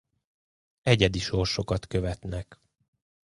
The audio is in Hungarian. Egyedi sorsokat követnek.